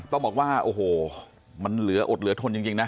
ต้องบอกว่าโอ้โหมันเหลืออดเหลือทนจริงนะ